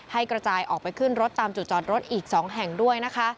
กระจายออกไปขึ้นรถตามจุดจอดรถอีก๒แห่งด้วยนะคะ